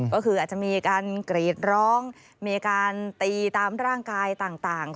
ก็คืออาจจะมีการกรีดร้องมีการตีตามร่างกายต่าง